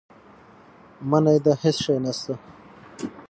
منی دی هېڅ شی نه شته.